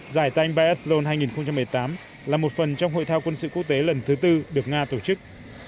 giải tanh bayslon hai nghìn một mươi tám là một phần trong hội thao quân sự quốc tế lần thứ tư được nga tổ chức